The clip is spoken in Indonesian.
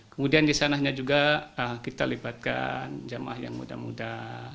kemudian di sananya juga kita libatkan jemaah yang muda muda